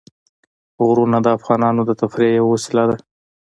غرونه د افغانانو د تفریح یوه وسیله ده.